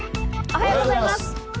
おはようございます。